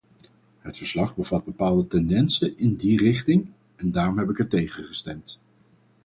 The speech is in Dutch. Het verslag bevat bepaalde tendensen in die richting, en daarom heb ik ertegen gestemd.